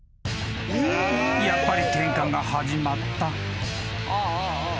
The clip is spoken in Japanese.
［やっぱりケンカが始まった］